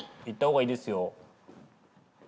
行ったほうがいいですよ。